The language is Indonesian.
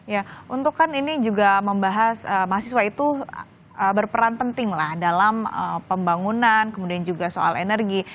ya untuk kan ini juga membahas mahasiswa itu berperan penting lah dalam pembangunan kemudian juga soal energi